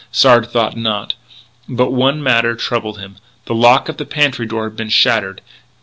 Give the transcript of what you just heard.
Sard thought not. But one matter troubled him: the lock of the pantry door had been shattered.